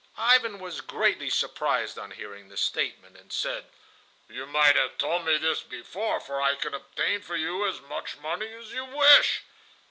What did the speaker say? Ivan was greatly surprised on hearing this statement, and said: "You might have told me this before, for I can obtain for you as much money as you wish."